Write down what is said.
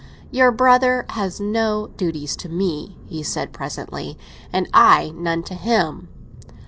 "Your brother has no duties to me," he said presently, "and I none to him."